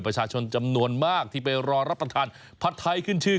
ประชาชนจำนวนมากที่ไปรอรับประทานผัดไทยขึ้นชื่อ